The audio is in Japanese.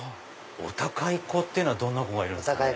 お高い子っていうのはどんな子がいるんですか？